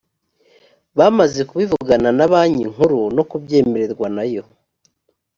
bamaze kubivugana na banki nkuru no kubyemererwa na yo